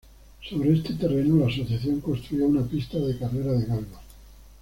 Sobre este terreno la asociación construyó una pista de carrera de galgos.